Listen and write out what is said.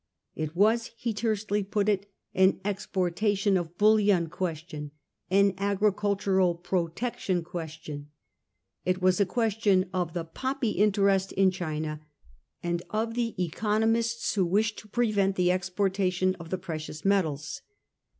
It was, he tersely put it, an ' exportation of bullion question, an agricultural protection question ;' it was a question of the poppy interest in China, and of the economists who wished to prevent the exportation of the precious metals.